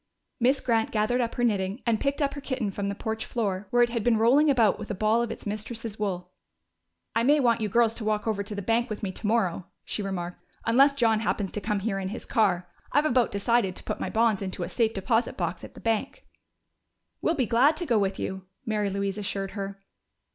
Miss Grant gathered up her knitting and picked up her kitten from the porch floor, where it had been rolling about with a ball of its mistress's wool. "I may want you girls to walk over to the bank with me tomorrow," she remarked. "Unless John happens to come here in his car. I've about decided to put my bonds into a safe deposit box at the bank." "We'll be glad to go with you," Mary Louise assured her.